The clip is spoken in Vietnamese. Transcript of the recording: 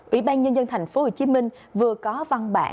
ủy ban nhân dân tp hcm vừa có văn bản